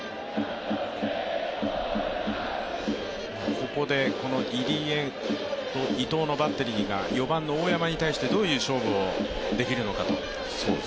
ここで入江と伊藤のバッテリーが４番の大山に対してどういう勝負をできるのかと。